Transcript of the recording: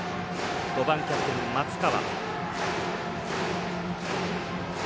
５番、キャプテンの松川。